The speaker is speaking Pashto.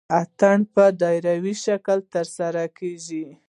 اتن په دایروي شکل ترسره کیږي.